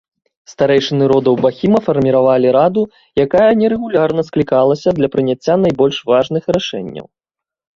Старэйшыны родаў бахіма фарміравалі раду, якая нерэгулярна склікалася для прыняцця найбольш важных рашэнняў.